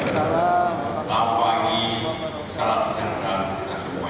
selamat pagi salam sejahtera kepada semua